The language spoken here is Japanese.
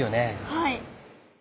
はい。